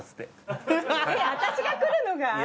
私が来るのが？